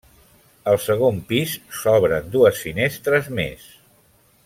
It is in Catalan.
Al segon pis s'obren dues finestres més.